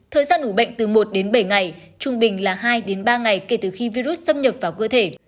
thời gian ủ bệnh từ một đến bảy ngày trung bình là hai đến ba ngày kể từ khi virus xâm nhập vào cơ thể